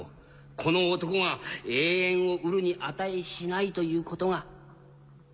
この男が永遠を得るに値しないということが。